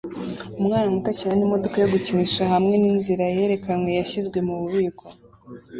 Umwana muto akina n'imodoka yo gukinisha hamwe n'inzira yerekanwe yashyizwe mububiko